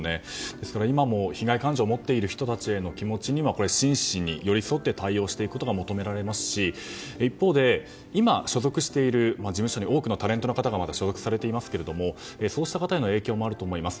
ですから、今も被害感情を持っている人たちの気持ちには、真摯に寄り添って対応していくことが求められますし、一方で、今事務所に多くのタレントの方が所属されていますがそうした方への影響もあるかと思います。